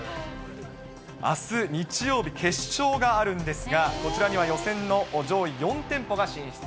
あす日曜日、決勝があるんですが、こちらには予選の上位４店舗が進出。